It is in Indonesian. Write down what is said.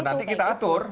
nanti kita atur